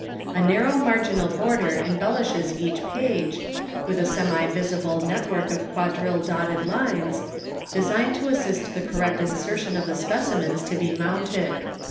A narrow marginal border embellishes each page, with a semi visible network of quadrillé dotted lines, designed to assist the correct insertion of the specimens to be mounted.